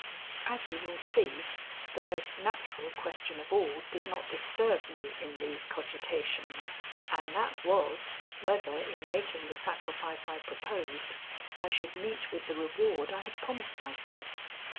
As you will see, the most natural question of all did not disturb me in these cogitations: And that was, whether in making the sacrifice I proposed, I should meet with the reward I had promised myself.